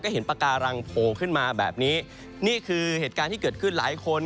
เห็นปากการังโผล่ขึ้นมาแบบนี้นี่คือเหตุการณ์ที่เกิดขึ้นหลายคน